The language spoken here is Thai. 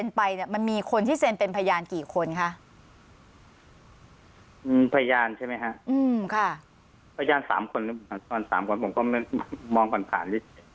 ใช่ไหมฮะอืมค่ะพยานสามคนสามคนผมก็มันมองก่อนผ่าน